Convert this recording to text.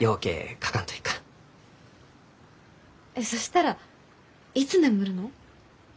えそしたらいつ眠るの？